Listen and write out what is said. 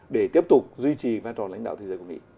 để tiếp tục duy trì vai trò lãnh đạo thế giới của mỹ